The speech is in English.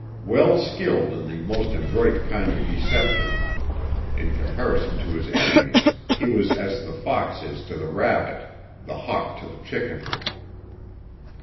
Well skilled in the most adroit kind of deception, in comparison to his enemies he was as the fox is to the rabbit, the hawk to the chicken.